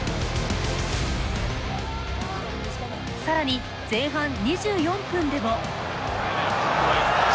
さらに前半２４分でも。